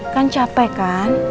kan capek kan